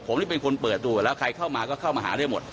ผมนี่เป็นคนเปิดดูแล้วใครเข้ามาก็เข้ามาหาได้หมด